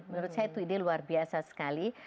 menurut saya itu ide luar biasa sekali